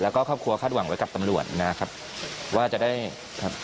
แล้วก็ครอบครัวคาดหวังไว้กับตำรวจนะครับว่าจะได้ครับ